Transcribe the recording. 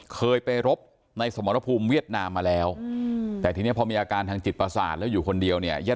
เคยไปรบในสมรภูมิเวียดนามมาแล้วแต่ทีนี้พอมีอาการทางจิตประสาทแล้วอยู่คนเดียวเนี่ยญาติ